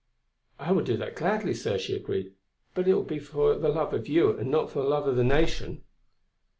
"I will do that gladly, sir," she agreed, "but it will be for the love of you and not for love of the Nation."